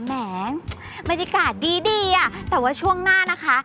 แหมบรรยากาศดีดีอ่ะแต่ว่าช่วงหน้านะคะ